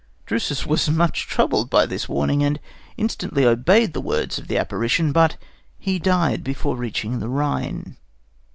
Drusus was much troubled by this warning, and instantly obeyed the words of the apparition; but he died before reaching the Rhine.